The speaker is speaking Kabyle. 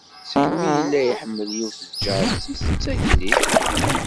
Segmi yella iḥemmel yiwet n tǧaṛet-is d tagellilt.